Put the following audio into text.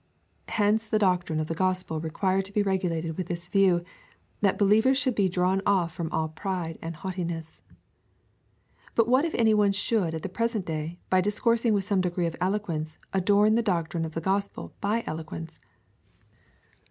Hence the doctrine of the gospel required to be regulated with this view, that believers should be drawn ofl'from all pride and haughtiness. But what if any one should at the present day, by dis coursing with some degree of elegance, adorn the doctrine of the gospel by eloquence